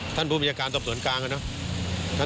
ท่านผู้บุญการตอบส่วนกลางนะ